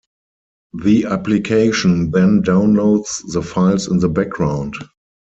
The application then downloads the files in the background.